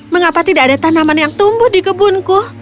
mengapa tidak ada tanaman yang tumbuh di kebunku